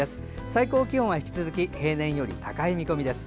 最高気温は、引き続き平年より高い見込みです。